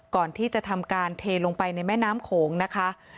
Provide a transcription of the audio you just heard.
ก่อนที่จะทำการเทลงไปในแม่น้ำโขงนะคะ